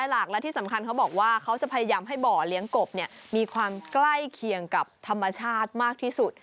หลักและที่สำคัญเขาบอกว่าเขาจะพยายามให้บ่อเลี้ยงกบมีความใกล้เคียงกับธรรมชาติมากที่สุด